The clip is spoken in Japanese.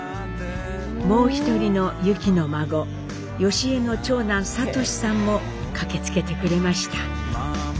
もう一人のユキの孫祥江の長男哲司さんも駆けつけてくれました。